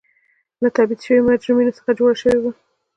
له تبعید شویو مجرمینو څخه جوړه شوې وه.